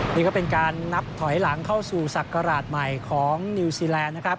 นี่ก็เป็นการนับถอยหลังเข้าสู่ศักราชใหม่ของนิวซีแลนด์นะครับ